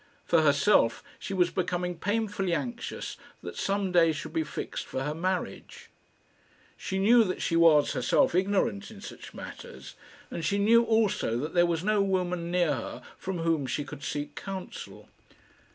For herself, she was becoming painfully anxious that some day should be fixed for her marriage. She knew that she was, herself, ignorant in such matters; and she knew also that there was no woman near her from whom she could seek counsel.